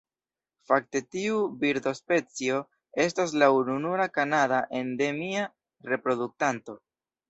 Fakte tiu birdospecio estas la ununura kanada endemia reproduktanto.